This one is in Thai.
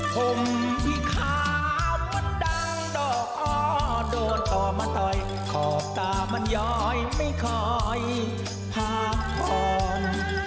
ผมพี่ขาวมันดังดอกอ้อโดนต่อมาต่อยขอบตามันย้อยไม่คอยพาทอง